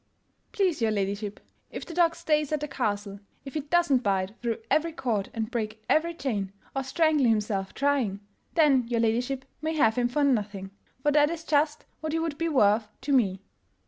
" Please your ladyship, if the dog stays at the Castle, if he doesn't bite through every cord and break every chain, or strangle himself trying, then your ladyship may have him for nothing — for that is just what he would be worth to me."